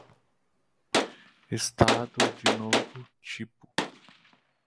Estado de novo tipo